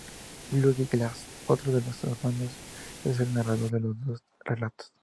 Buddy Glass, otro de los hermanos, es el narrador de los dos relatos.